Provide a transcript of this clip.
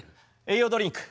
栄養ドリンク。